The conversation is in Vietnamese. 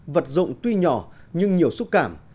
vật dụng tuy nhỏ nhưng nhiều xúc cảm